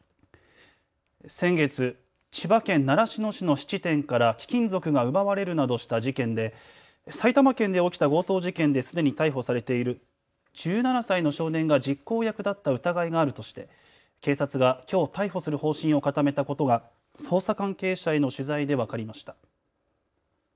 先月、千葉県習志野市の質店から貴金属が奪われるなどした事件で埼玉県で起きた強盗事件ですでに逮捕されている１７歳の少年が実行役だった疑いがあるとして警察がきょう逮捕する方針を固めたことが捜査関係者への取材で分かりました。